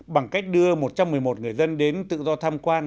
bằng cách đưa một trăm một mươi một người dân đến tự do tham quan